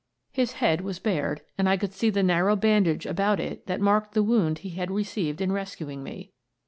His head was bared, and I could see the narrow bandage about it that marked the wound he had re ceived in rescuing me.